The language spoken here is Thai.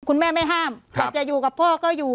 คุณแม่ไม่ห้ามอยากจะอยู่กับพ่อก็อยู่